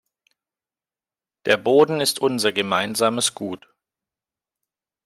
Der Boden ist unser gemeinsames Gut.